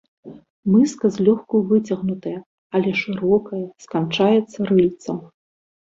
Мыска злёгку выцягнутая, але шырокая, сканчаецца рыльцам.